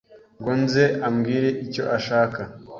ngo nze ambwire icyo ishaka ,